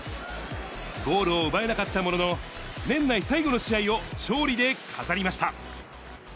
ゴールを奪えなかったものの、年内最後の試合を勝利で飾りました。